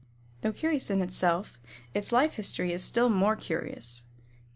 Though curious in itself, its life history is still more curious.